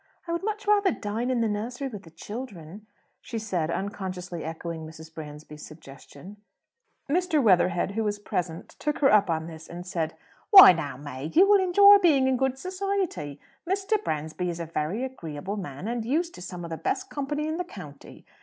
"I would much rather dine in the nursery with the children," she said, unconsciously echoing Mrs. Bransby's suggestion. Mr. Weatherhead, who was present, took her up on this, and said, "Why, now, May, you will enjoy being in good society! Mr. Bransby is a very agreeable man, and used to some of the best company in the county.